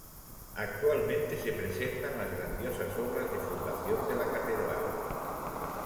Actualmente, se presentan las grandiosas obras de fundación de la catedral.